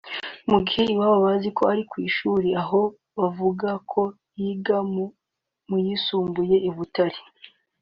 mu gihe iwabo bazi ko ari ku ishuri aho bivugwa ko yiga mu yisumbuye i Butare